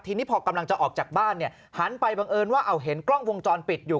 ทีนี้พอกำลังจะออกจากบ้านเนี่ยหันไปบังเอิญว่าเอาเห็นกล้องวงจรปิดอยู่